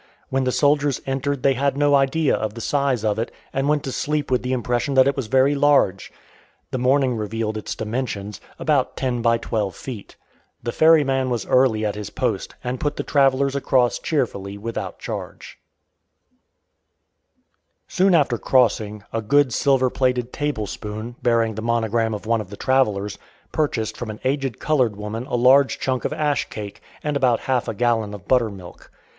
When the soldiers entered they had no idea of the size of it, and went to sleep with the impression that it was very large. The morning revealed its dimensions about ten by twelve feet. The ferryman was early at his post, and put the travelers across cheerfully without charge. [Illustration: ANY BUTTERMILK AUNTY] Soon after crossing, a good silver plated table spoon, bearing the monogram of one of the travelers, purchased from an aged colored woman a large chunk of ash cake and about half a gallon of buttermilk.